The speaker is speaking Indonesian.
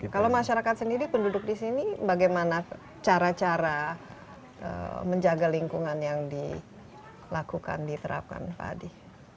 kalau masyarakat sendiri penduduk di sini bagaimana cara cara menjaga lingkungan yang dilakukan diterapkan pak adi